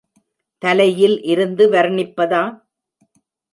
தலையில் இருந்து வர்ணிப்பதா?